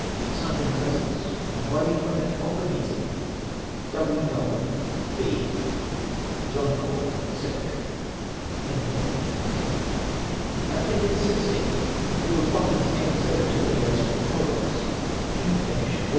Signed in the presence and by the appointment of the meeting, W. Melville, B. John Caw, Seeretarj/. ANSWEES TO ADDRESSES. 467 APPENDIX XYL LORD COCHRANE's ANSWER TO ADDRESS FROM CULROSS. King's Bencli, Aug.